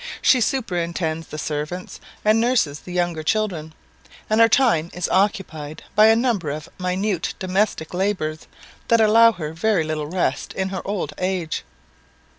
She superintends the servants, and nurses the younger children; and her time is occupied by a number of minute domestic labours, that allow her very little rest in her old age.